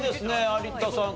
有田さん